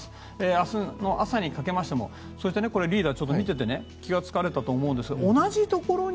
明日の朝にかけましてリーダー、見てて気がつかれたと思うんですが同じところに